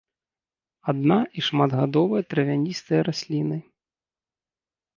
Адна- і шматгадовыя травяністыя расліны.